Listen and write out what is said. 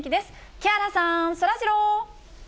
木原さん、そらジロー。